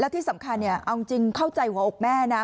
แล้วที่สำคัญเนี่ยเอาจริงเข้าใจหัวอกแม่นะ